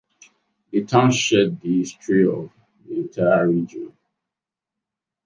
The town shared the history of the entire region.